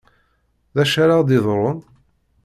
D acu ara ɣ-d-iḍrun?